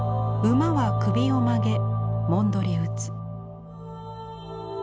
馬は首を曲げもんどり打つ。